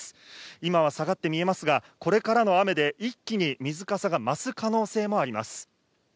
今は下がって見えますが、これからの雨で一気に水かさが増す可能性もあります。